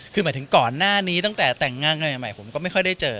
คือหมายถึงก่อนหน้านี้ตั้งแต่แต่งงานกันใหม่ผมก็ไม่ค่อยได้เจอ